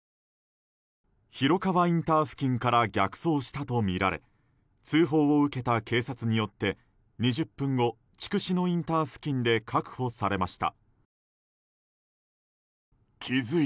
広川インター付近から逆走したとみられ通報を受けた警察によって２０分後筑紫野インター付近で確保されました。